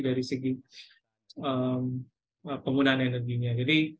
dari segi penggunaan energinya